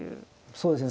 そうですね。